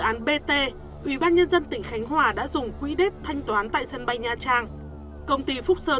án bt ubnd tỉnh khánh hòa đã dùng quỹ đất thanh toán tại sân bay nha trang công ty phúc sơn